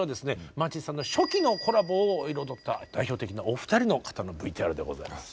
マーチンさんの初期のコラボを彩った代表的なお二人の方のＶＴＲでございます。